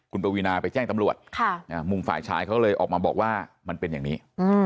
คุณปวีนาไปแจ้งตำรวจมุมฝ่ายชายเขาเลยออกมาบอกว่ามันเป็นอย่างนี้